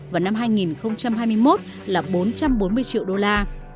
và năm hai nghìn hai mươi một là bốn trăm bốn mươi triệu đô la